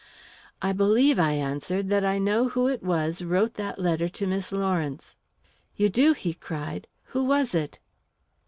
"I believe," I answered, "that I know who it was wrote that letter to Miss Lawrence." "You do!" he cried. "Who was it?"